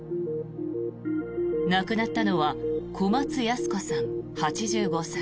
亡くなったのは小松ヤス子さん、８５歳。